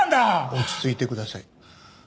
落ち着いてください。